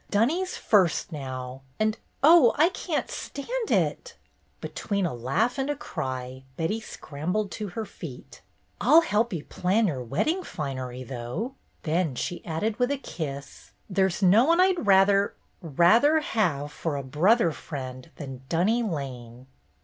Dunny's first now, and — oh, I can't stand it!'' Be tween a laugh and a cry Betty scrambled to her feet. "I'll help plan your wedding finery, though!" Then she added with a kiss: "There's no one I'd rather — rather have for a brother friend than Dunny Lane."